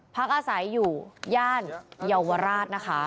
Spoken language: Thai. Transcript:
พักอาศัยอยู่ย่านเยาวราชนะคะ